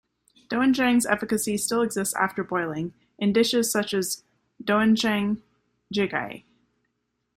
"Doenjang"'s efficacy still exists after boiling, in dishes such as "doenjang jjigae".